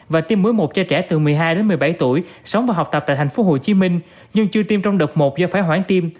và tiêm muối một cho trẻ từ một mươi hai đến một mươi bảy tuổi sống và học tập tại tp hcm nhưng chưa tiêm trong đợt một do phải hoãn tim